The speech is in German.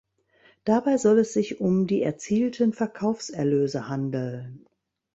Dabei soll es sich um die erzielten Verkaufserlöse handeln.